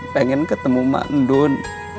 saya ingin bertemu dengan mak ndun